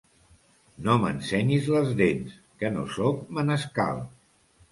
No m'ensenyis les dents, que no soc menescal.